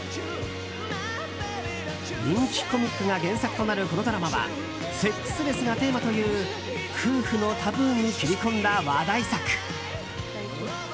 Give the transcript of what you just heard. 人気コミックが原作となるこのドラマはセックスレスがテーマという夫婦のタブーに切り込んだ話題作。